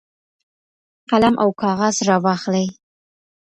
قلم او کاغذ راواخلئ.